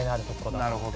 なるほど。